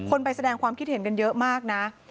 ไปแสดงความคิดเห็นกันเยอะมากนะ